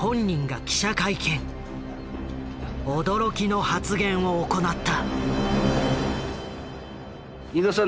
驚きの発言を行った。